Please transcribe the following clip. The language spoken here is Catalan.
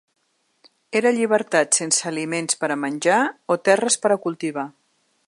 Era llibertat sense aliments per a menjar o terres per a cultivar.